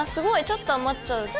ちょっと余っちゃうけど。